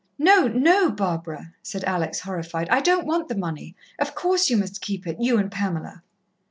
"No, no, Barbara!" said Alex, horrified. "I don't want the money. Of course, you must keep it you and Pamela."